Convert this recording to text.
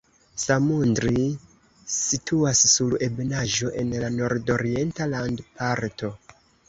Samundri situas sur ebenaĵo en la nordorienta landparto.